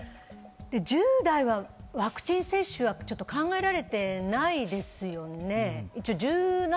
１０代はワクチン接種は考えられてないですよね。